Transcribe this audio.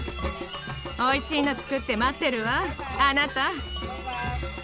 おいしいの作って待ってるわあなた。